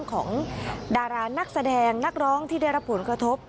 ของดารานักแสดงนักร้องที่ได้รับผลกระทบ